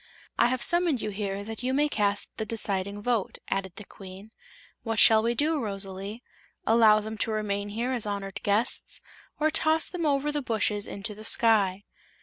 "I have summoned you here that you may cast the deciding vote," added the Queen. "What shall we do, Rosalie: allow them to remain here as honored guests, or toss them over the bushes into the sky?"